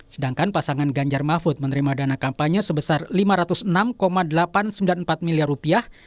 sedangkan pasangan ganjar mahfud menerima dana kampanye sebesar lima ratus enam delapan ratus sembilan puluh empat miliar rupiah